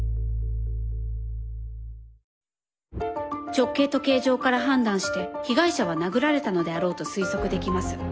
直径と形状から判断して被害者は殴られたのであろうと推測できます。